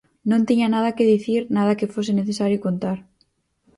Non tiña nada que dicir, nada que fose necesario contar.